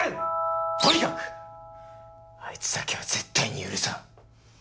とにかくあいつだけは絶対に許さん。